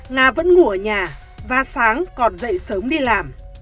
nga vẫn ngủ ở nhà và sáng còn dậy sớm đi làm